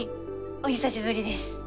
お久しぶりです。